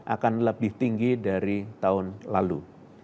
akan lebih tinggi dari tahun lalu